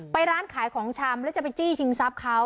ร้านขายของชำแล้วจะไปจี้ชิงทรัพย์เขา